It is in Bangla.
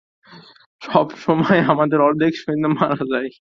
সবসময়ই আমাদের অর্ধেক সৈন্য মারা যায়!